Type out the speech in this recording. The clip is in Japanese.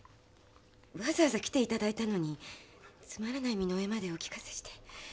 わざわざ来て頂いたのにつまらない身の上までお聞かせして。